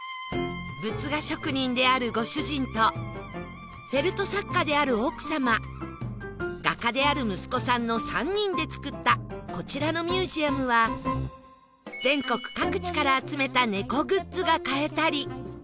仏画職人であるご主人とフェルト作家である奥様画家である息子さんの３人で作ったこちらのミュージアムは全国各地から集めた猫グッズが買えたり